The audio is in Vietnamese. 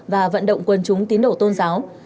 và vận động quân chúng tín đổ tôn giáo